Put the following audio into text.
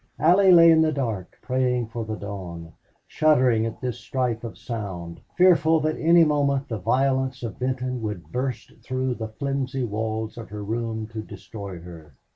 Allie lay in the dark, praying for the dawn, shuddering at this strife of sound, fearful that any moment the violence of Benton would burst through the flimsy walls of her room to destroy her.